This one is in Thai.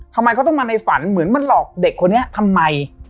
ทำไมเขาต้องมาในฝันเหมือนมันหลอกเด็กคนนี้ทำไม